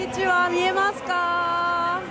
見えますか？